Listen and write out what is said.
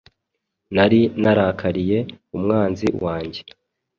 Nari narakariye umwanzi wanjye: